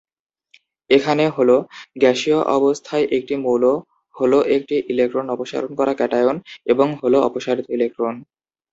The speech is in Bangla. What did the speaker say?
এখানে, হল গ্যাসীয় অবস্থায় একটি মৌল, হল একটি ইলেকট্রন অপসারণ করা ক্যাটায়ন এবং হল অপসারিত ইলেকট্রন।